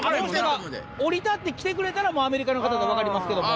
降り立って来てくれたらアメリカの方と分かりますけども。